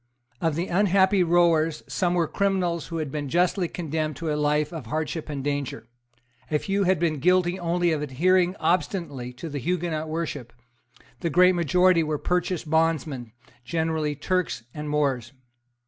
Of the unhappy rowers some were criminals who had been justly condemned to a life of hardship and danger; a few had been guilty only of adhering obstinately to the Huguenot worship; the great majority were purchased bondsmen, generally Turks and Moors.